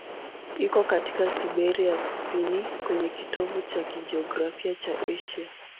Iko katika Siberia ya kusini, kwenye kitovu cha kijiografia cha Asia.